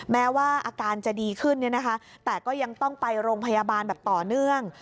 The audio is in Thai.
แม้ว่าอาการจะดีขึ้นเนี่ยนะคะแต่ก็ยังต้องไปโรงพยาบาลแบบต่อเนื่อง